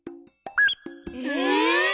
え！